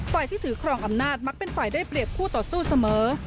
ที่ถือครองอำนาจมักเป็นฝ่ายได้เปรียบคู่ต่อสู้เสมอ